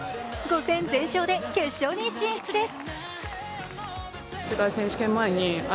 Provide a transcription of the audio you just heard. ５戦全勝で決勝に進出です。